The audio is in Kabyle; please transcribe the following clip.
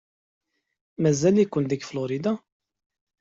Mazal-iken deg Florida?